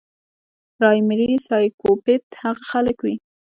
پرايمري سايکوپېت هغه خلک وي